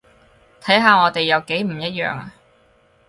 睇下我哋有幾唔一樣呀